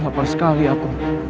lapar sekali aku